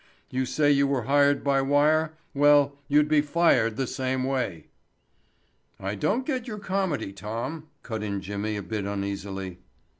You say you were hired by wire. Well, you'd be fired the same way." "I don't get your comedy, Tom," cut in Jimmy a bit uneasily.